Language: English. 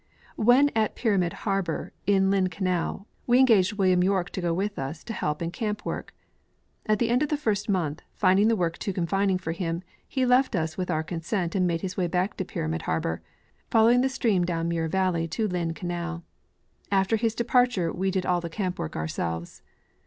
When at Pyramid harbor, in Lynn canal, Ave engaged William York to go with us to help in camp work. At the end of the first month, finding the work too confining for him, he left us with our consent and made his way back to Pyramid harbor, following the stream down Main valley to Lynn canal. After his departure we did all the camp work ourselves.